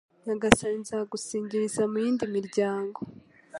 Nyagasani nzagusingiriza mu yindi miryango